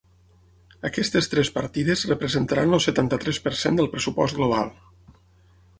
Aquestes tres partides representaran el setanta-tres per cent del pressupost global.